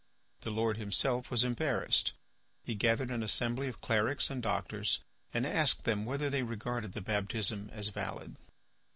The Lord himself was embarrassed. He gathered an assembly of clerics and doctors, and asked them whether they regarded the baptism as valid.